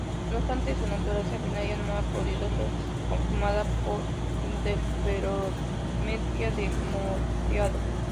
No obstante, su naturaleza binaria no ha podido ser confirmada por interferometría de moteado.